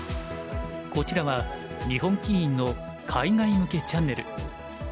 こちらは日本棋院の海外向けチャンネル。